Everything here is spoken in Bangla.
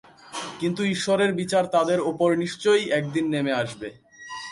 কিন্তু ঈশ্বরের বিচার তাদের ওপর নিশ্চয়ই একদিন নেমে আসবে।